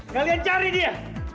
kalian cari dia